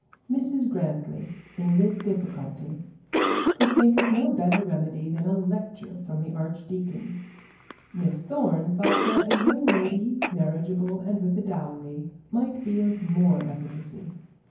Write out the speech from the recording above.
Mrs Grantly, in this difficulty, could think of no better remedy than a lecture from the archdeacon. Miss Thorne thought that a young lady, marriageable, and with a dowry, might be of more efficacy.